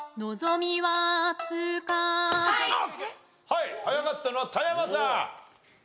はい早かったのは田山さん。